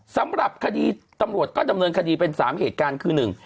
สำหรับคดีตำรวจก็ดำเนินคดีเป็นสามเหตุการณ์คือหนึ่ง